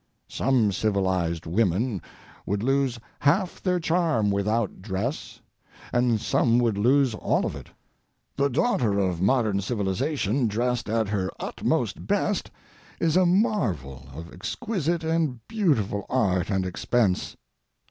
Some civilized women would lose half their charm without dress, and some would lose all of it. The daughter of modern civilization dressed at her utmost best is a marvel of exquisite and beautiful art and expense.